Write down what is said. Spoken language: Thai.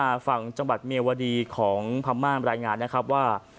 พรรมมาร์ฟังจังหวัดเมียวดีของพรรมมาร์รายงานนะครับว่า